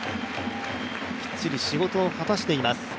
きっちり仕事を果たしています。